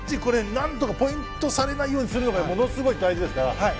何とかポイントされないようにするのがものすごい大事ですから。